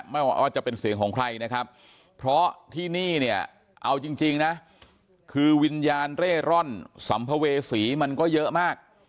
ไม่ว่าจะเป็นเสียงของใครนะครับเพราะที่นี่เนี่ยเอาจริงนะคือวิญญาณเร่ร่อนสัมภเวษีมันก็เยอะมาก